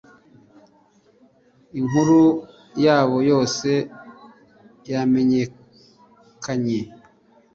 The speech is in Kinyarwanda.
inkuru yabo yose yamenyekanye